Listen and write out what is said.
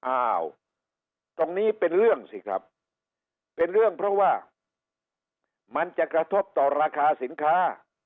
อ้าวตรงนี้เป็นเรื่องสิครับเป็นเรื่องเพราะว่ามันจะกระทบต่อราคาสินค้า